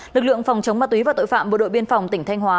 lực lượng phòng chống ma túy và tội phạm bộ đội biên phòng tỉnh thanh hóa